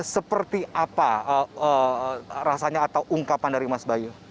seperti apa rasanya atau ungkapan dari mas bayu